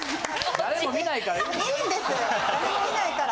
誰も見ないから。